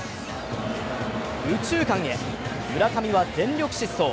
右中間へ、村上は全力疾走。